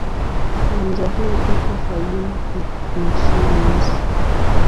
Uwanja huu upo Fayoum nchini Misri.